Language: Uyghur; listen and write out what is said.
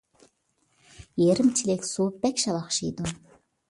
يېرىم چېلەك سۇ بەك شالاقشىيدۇ.